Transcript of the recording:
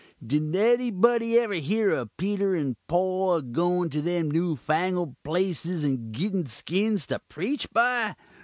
Did anybody ever hear of Peter and Poll a goin' to them new fangled places and gitten skins to preach by?